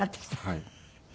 はい。